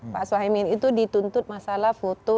pak sohaimin itu dituntut masalah foto